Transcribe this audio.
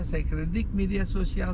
saya kritik media sosial